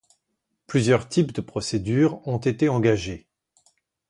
Plusieurs types de procédures ont été engagés.